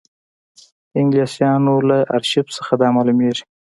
د انګلیسیانو له ارشیف څخه دا معلومېږي.